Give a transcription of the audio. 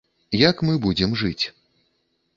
Як мы будзем жыць.